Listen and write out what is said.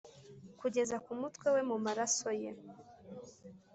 kugeza ku mutwe we mu maraso ye,